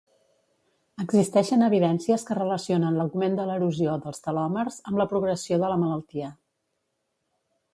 Existeixen evidències que relacionen l'augment de l'erosió dels telòmers amb la progressió de la malaltia.